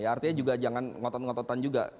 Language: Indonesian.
artinya juga jangan ngotot ngototan juga